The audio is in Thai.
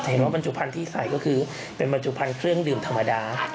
เห็นว่าบรรจุภัณฑ์ที่ใส่ก็คือเป็นบรรจุภัณฑ์เครื่องดื่มธรรมดา